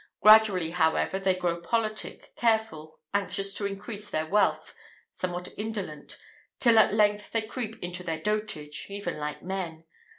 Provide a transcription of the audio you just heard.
Gradually, however, they grow politic, careful, anxious to increase their wealth, somewhat indolent, till at length they creep into their dotage, even like men.